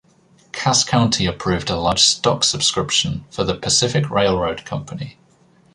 Cass County approved a large stock subscription for the Pacific Railroad Company.